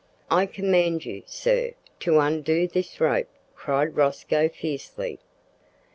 "I command you, sir, to undo this rope!" cried Rosco fiercely.